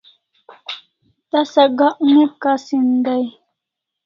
Tasa Gak ne kasin dai